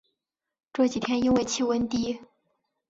这几天因为气温低